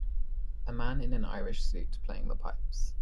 A man in a irish suit playing the pipes.